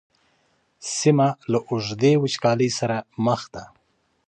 سیمه له اوږدې وچکالۍ سره مخ ده.